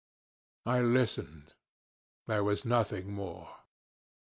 .' I listened. There was nothing more.